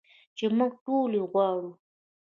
چې موږ ټول یې غواړو.